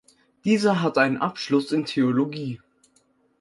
Dieser hat einen Abschluss in Theologie.